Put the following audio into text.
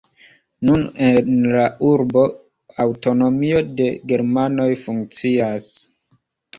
Nun en la urbo aŭtonomio de germanoj funkcias.